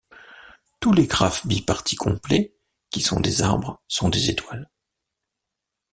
Tous les graphes bipartis complets qui sont des arbres sont des étoiles.